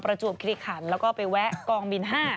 จวบคิริขันแล้วก็ไปแวะกองบิน๕